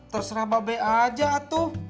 terserah bapak b aja atuh